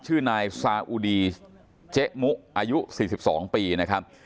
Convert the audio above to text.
ชื่อนายซาอุดีเจ๊มุอายุ๔๒ปีนะครับ